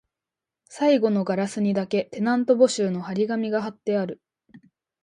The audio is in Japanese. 最後のガラスにだけ、テナント募集の張り紙が張ってある